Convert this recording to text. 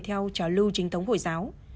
theo trào lưu trinh thống hồi giáo